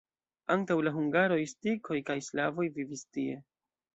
Antaŭ la hungaroj skitoj kaj slavoj vivis tie.